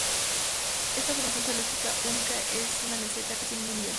Esta formación geológica única es una meseta casi al mismo nivel.